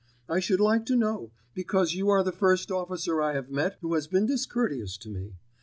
I should like to know, because you are the first officer I have met who has been discourteous to me.